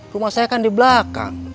rumah saya kan di belakang